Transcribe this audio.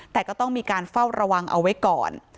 แต่ก็ต้องมีการเฝ้าระวังเอาไว้ก่อน